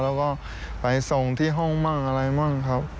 แล้วก็ไปส่งที่ห้องบ้างอะไรบ้างครับ